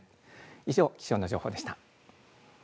以上、気象情報でした。